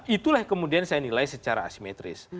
itulah kemudian saya nilai secara asimetris